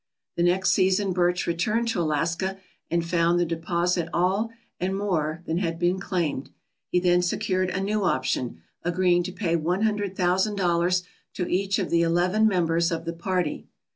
The next season Birch returned to Alaska and found the deposit all and more than had been claimed. He then secured a new option, agreeing to pay one hundred thousand dollars to each of the eleven members of the party.